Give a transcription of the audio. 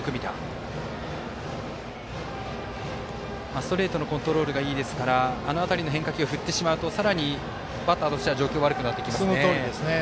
ストレートのコントロールがいいですからあの辺りの変化球、振ってしまうとさらにバッターとしては状況が悪くなってしまいますね。